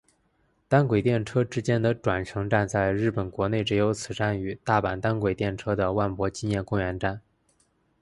单轨电车之间的转乘站在日本国内只有此站与大阪单轨电车的万博纪念公园站。